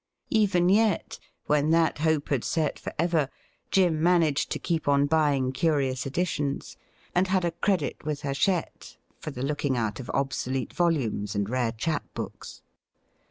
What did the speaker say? Even yet, when that hope had set for ever, Jim managed to keep on buying curious editions, and had a credit with Hachette for the looking out of obsolete volumes and rare chap books.